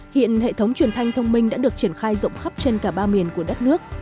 hiện hệ thống truyền thanh thông minh đã được triển khai rộng khắp trên cả ba miền của đất nước